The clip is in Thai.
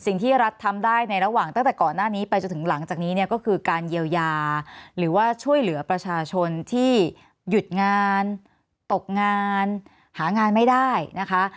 สิ่งที่รัฐทำได้ในระหว่างตั้งแต่ก่อนหน้านี้ไปจนถึงหลังจากนี้เนี่ยก็คือการเยียวยาหรือว่าช่วยเหลือประชาชนที่หยุดงานตกงานหางานไม่ได้นะคะ